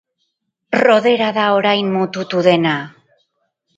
Rodera da orain mututu dena.